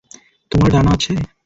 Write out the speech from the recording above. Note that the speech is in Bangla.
তোমার ডানা আছে!